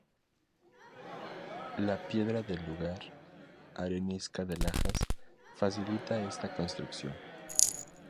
La piedra del lugar, arenisca de lajas, facilita esta construcción.